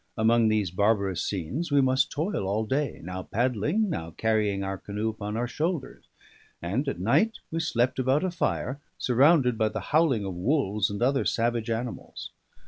Among these barbarous scenes we must toil all day, now paddling, now carrying our canoe upon our shoulders; and at night we slept about a fire, surrounded by the howling of wolves and other savage animals.